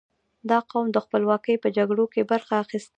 • دا قوم د خپلواکۍ په جګړو کې برخه اخیستې.